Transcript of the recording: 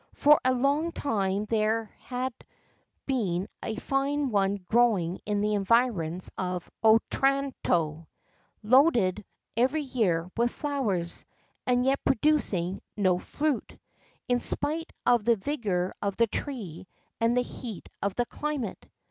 For a long time there had been a fine one growing in the environs of Otranto, loaded every year with flowers, and yet producing no fruit, in spite of the vigour of the tree and the heat of the climate.